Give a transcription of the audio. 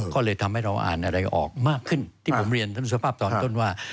ก็เลยทำให้เราอ่านอะไรออกมากขึ้นที่ผมเรียนท่านสุภาพตอนต้นว่า